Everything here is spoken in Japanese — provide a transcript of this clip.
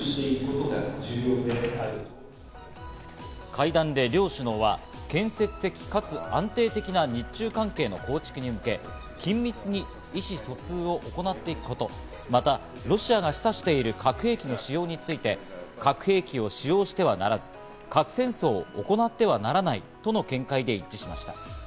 会談で両首脳は建設的かつ、安定的な日中関係の構築に向け、緊密に意思疎通を行っていくこと、またロシアが示唆している核兵器の使用について、核兵器を使用してはならず、核戦争を行ってはならないとの見解で一致しました。